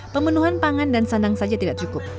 pemenuhan pangan dan sandang saja tidak cukup